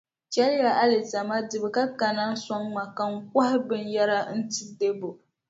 Chɛliya alizama dibu ka kana sɔŋ ma ka n kɔhi binyɛra n-ti Debo.